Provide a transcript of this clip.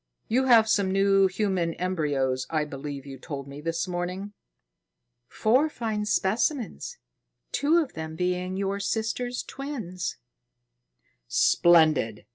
You have some new human embryos, I believe you told me this morning." "Four fine specimens, two of them being your sister's twins." "Splendid!